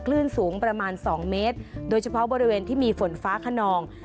คลื่นสูงประมาณ๒เมตรโดยเฉพาะบริเวณที่มีฝนฟ้าขนอง